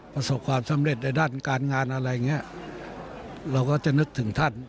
ประสบความสำเร็จในด้านการงานอะไรอย่างเงี้ยเราก็จะนึกถึงท่าน